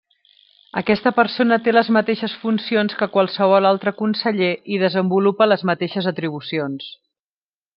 Aquesta persona té les mateixes funcions que qualsevol altre Conseller i desenvolupa les mateixes atribucions.